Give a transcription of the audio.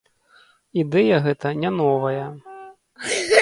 Ідэя гэта не новая.